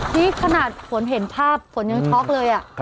นี่ขนาดฝนเห็นภาพฝนยังช็อกเลย